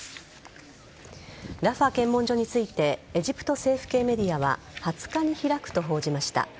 ラファ検問所についてエジプト政府系メディアは２０日に開くと報じました。